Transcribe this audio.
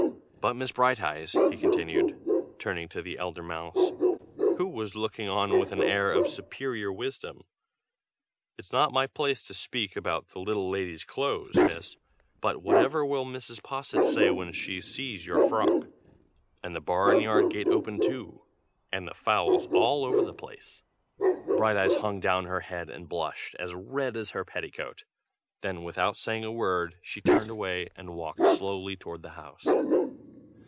But Miss Brighteyes," he continued, turning to the elder mouse, who was looking on with an air of superior wisdom: "it's not my place to speak about the little ladies' clothes, Miss, but whatever will Mrs. Posset say when she sees your frock? and the barn yard gate open, too, and the fowls all over the place!" Brighteyes hung down her head and blushed as red as her petticoat: then, without saying a word, she turned away, and walked slowly toward the house.